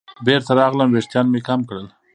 بېرته راغلم ویښتان مې کم کړل.